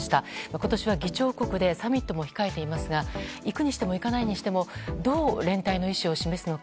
今年は議長国でサミットも控えていますが行くにしても、行かないにしてもどう連帯の意思を示すのか。